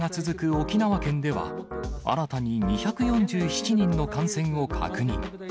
沖縄県では、新たに２４７人の感染を確認。